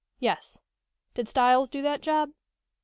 "Yes." "Did Styles do that job?"